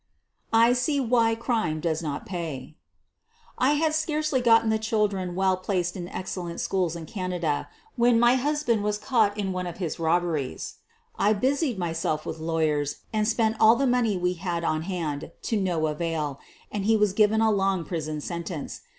I SEE WHY CRIME DOES NOT PAY I had scarcely gotten the children well placed in excellent schools in Canada when my husband was caught in one of his robberies. I busied myself with lawyers and spent all the money we had on hand, to no avail, and he was given a long prison sentence.